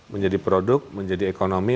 menjadi produk menjadi ekonomi